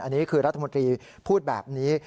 อันนี้คือรัฐมนตรีพูดแบบนี้